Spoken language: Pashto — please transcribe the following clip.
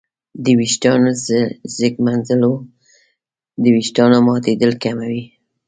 د ویښتانو ږمنځول د ویښتانو ماتېدل کموي.